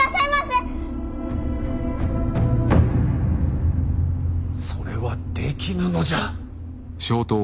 それはできぬのじゃ。